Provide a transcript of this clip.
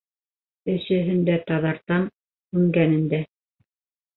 Өсөһөн дә таҙартам, һүнгәнен дә.